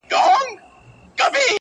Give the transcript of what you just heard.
ستا د خولې سا.